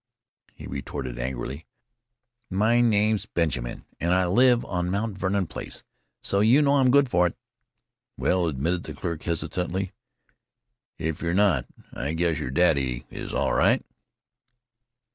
he retorted angrily. "My name's Button and I live on Mt. Vernon Place, so you know I'm good for it." "Well," admitted the clerk hesitantly, "if you're not, I guess your daddy is, all right."